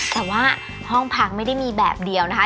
แต่ว่าห้องพักไม่ได้มีแบบเดียวนะคะ